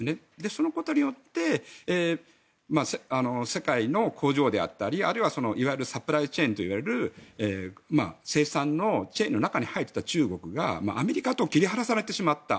そのことによって世界の工場であったりあるいはいわゆるサプライチェーンといわれる生産のチェーンの中に入っていた中国がアメリカと切り離されてしまった。